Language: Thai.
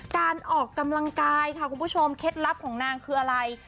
การออกกำลังกายค่ะคุณผู้ชมเคล็ดลับของนางคืออะไร